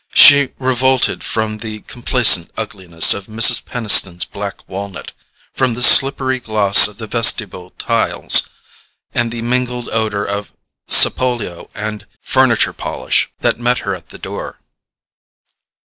She revolted from the complacent ugliness of Mrs. Peniston's black walnut, from the slippery gloss of the vestibule tiles, and the mingled odour of sapolio and furniture polish that met her at the door.